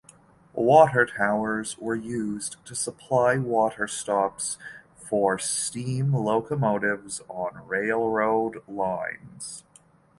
Water towers were used to supply water stops for steam locomotives on railroad lines.